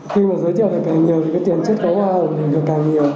khi giới thiệu càng nhiều thì tiền chất có hoa hồng được càng nhiều